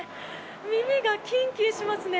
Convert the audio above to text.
耳がキンキンしますね。